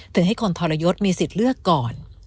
ให้คนทรยศมีสิทธิ์เลือกก่อน